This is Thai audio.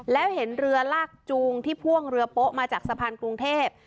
แล้วเห็นเรือลากจูงที่พ่วงเรือโป๊ะมาจากสะพานกรุงเทพ